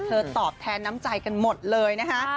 ตอบแทนน้ำใจกันหมดเลยนะคะ